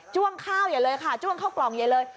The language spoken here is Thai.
จ้วงข้าวเยอะเลยค่ะจ้วงข้าวกล่องเยอะเลย